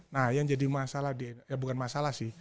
nah yang jadi masalah di ya bukan masalah sih